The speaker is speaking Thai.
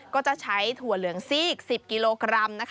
ก็จะใช้ถั่วเหลืองซีก๑๐กิโลกรัม